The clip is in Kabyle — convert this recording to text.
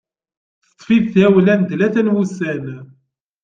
Teṭṭef-it tawla n tlata n wussan.